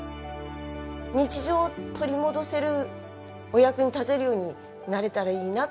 日常を取り戻せるお役に立てるようになれたらいいなとは思いましたね。